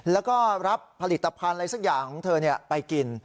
แล้วก็รับผลิตภัณฑ์อะไรสักอย่างของเธอไปกิน